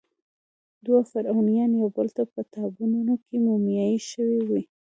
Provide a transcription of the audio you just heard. دوه فرعونیان یوبل ته په تابوتونو کې مومیایي شوي وو.